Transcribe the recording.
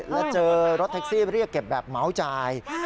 แล้วเจอรถแท็กซี่เรียกเก็บแบบเมาจ่าย